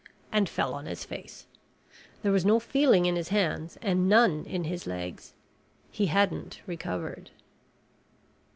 And fell on his face. There was no feeling in his hands and none in his legs. He hadn't recovered.